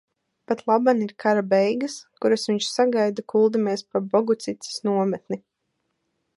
Patlaban ir kara beigas, kuras viņš sagaida, kuldamies pa Bogucices nometni.